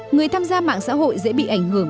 người tham gia mạng xã hội dễ bị ảnh hưởng